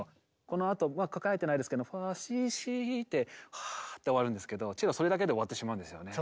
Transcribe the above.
このあと書かれてないですけど「ファシシ」ってはぁって終わるんですけどチェロそれだけで終わってしまうんですよね。